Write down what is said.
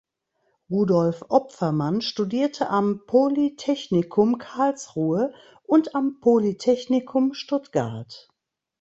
Rudolf Opfermann studierte am Polytechnikum Karlsruhe und am Polytechnikum Stuttgart.